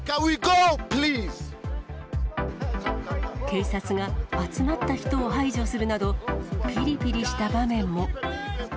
警察が集まった人を排除するなど、ぴりぴりした場面も。